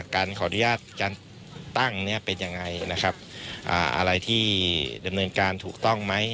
การขออนุญาตการตั้งเนี่ยเป็นยังไงนะครับอะไรที่ดำเนินการถูกต้องไหม